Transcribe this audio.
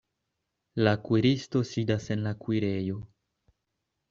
La kuiristo sidas en la kuirejo.